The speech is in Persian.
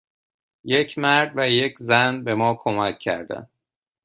یک مرد و یک زن به ما کمک کردند.